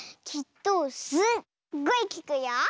きっとすっごいきくよ。